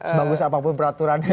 semangkus apapun peraturan ya bu